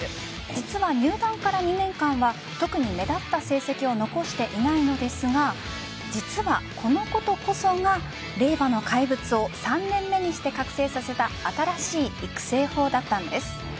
実は入団から２年間は特に目立った成績を残していないのですが実は、このことこそが令和の怪物を３年目にして覚醒させた新しい育成法だったんです。